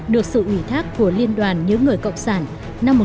được sự ủy thác của liên đoàn những người cộng sản năm một nghìn tám trăm bốn mươi tám